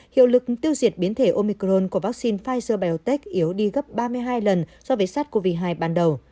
hiệu lực tiêu diệt biến thể omicron của vaccine pfizer biontech yếu đi gấp ba mươi hai lần do vệ sát covid hai ban đầu